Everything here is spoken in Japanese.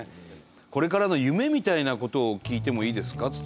これからの夢みたいなことを聞いてもいいですか？